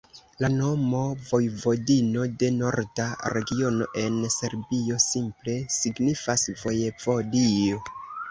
La nomo Vojvodino de norda regiono en Serbio simple signifas vojevodio.